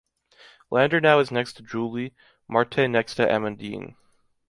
Landernau is next to Julie, Marthe next to Amandine.